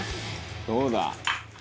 「どうだ？」